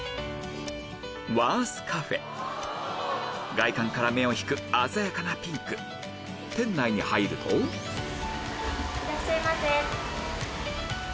外観から目を引く鮮やかなピンク店内に入るといらっしゃいませ。